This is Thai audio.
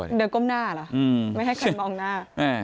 เดินก้มหน้าเหรอไม่ให้ใครมองหน้า